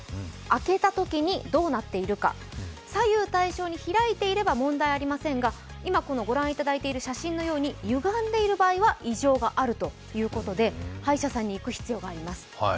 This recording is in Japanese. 開けたときにどうなっているか、左右対称になっていれば問題ありませんが今、御覧いただいている写真のようにゆがんでいる場合は異常があるということで、歯医者さんに行く必要があります